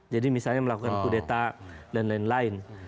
jadi misalnya melakukan kudeta dan lain lain